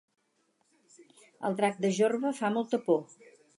El drac de Jorba fa molta por